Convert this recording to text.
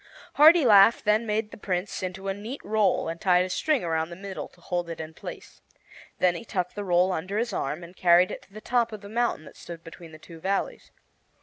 Hartilaf then made the Prince into a neat roll and tied a string around the middle, to hold it in place. Then he tucked the roll under his arm and carried it to the top of the mountain that stood between the two valleys.